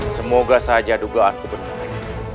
semoga saja dugaanku benar